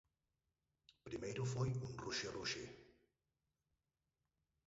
Primeiro foi un ruxerruxe.